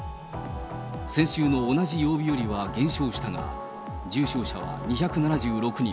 先週の同じ曜日よりは減少したが、重症者は２７６人。